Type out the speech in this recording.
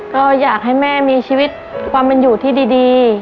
ก็อยากให้แม่มีชีวิตความเป็นอยู่ที่ดี